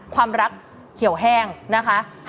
ความรักเขียวแห้งนะคะ